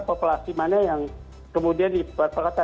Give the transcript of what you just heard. populasi mana yang kemudian diperketa